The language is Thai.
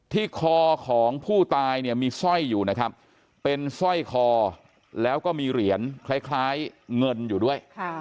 ที่คอของผู้ตายเนี่ยมีสร้อยอยู่นะครับเป็นสร้อยคอแล้วก็มีเหรียญคล้ายเงินอยู่ด้วย